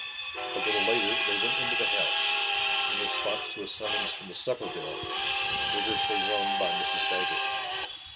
A little later they went into the house, in response to a summons from the supper bell, vigorously rung by Mrs. Baggert.